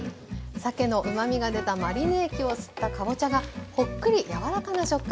さけのうまみが出たマリネ液を吸ったかぼちゃがほっくり柔らかな食感になります。